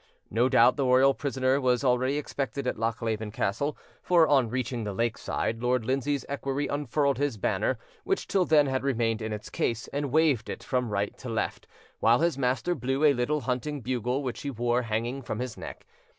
No doubt the royal prisoner was already expected at Lochleven Castle, for, on reaching the lake side, Lord Lindsay's equerry unfurled his banner, which till then had remained in its case, and waved it from right to left, while his master blew a little hunting bugle which he wore hanging from his neck.